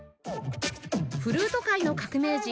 フルート界の革命児